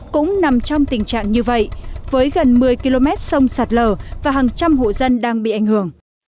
cũng nằm trong tình trạng như vậy với gần một mươi km sông sạt lở và hàng trăm hộ dân đang bị ảnh hưởng